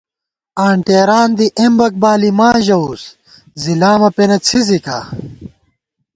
آنٹېران دی اېمبَک بالی ماں ژَوُس زی لامہ پېنہ څھِزِکا